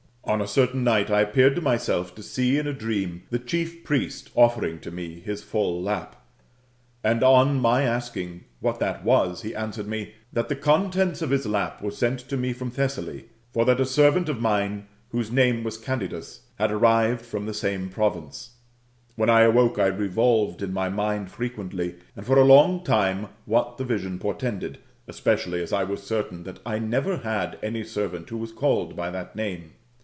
On a certain night I appeared to myself to see in a dream the chief priest offering to me his full lap ; and on my asking him what that was, he answered me. That the contents of his lap were sent to me from 1 hessaly ; for that a servant of mine, whose name was Candidus, had arrived from the same province. When I awoke, I revolved in my mind frequently, and for a long time, what the vision portended, especially as I was certain that I never had any servant who was called by that name.